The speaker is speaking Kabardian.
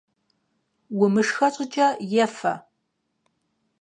Умышхэ щӏыкӏэ ефэ!